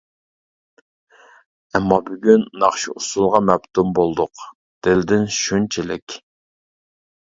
ئەمما بۈگۈن ناخشا-ئۇسسۇلغا، مەپتۇن بولدۇق دىلدىن شۇنچىلىك.